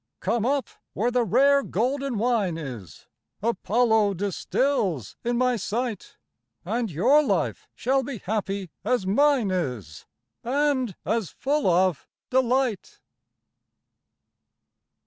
Come up where the rare golden wine is Apollo distills in my sight, And your life shall be happy as mine is, And as full of delight.